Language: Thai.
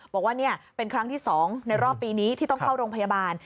บอกว่านี่เป็นครั้งที่๒ในรอบปีนี้ที่ต้องเข้าโรงพยาบาล